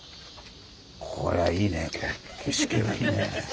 これはいいね景色がね。